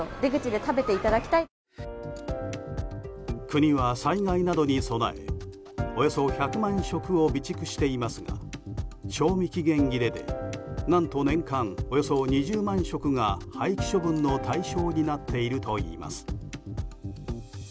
国は災害などに備えおよそ１００万食を備蓄していますが賞味期限切れで何と年間およそ２０万食が廃棄処分の対象になっているといいます。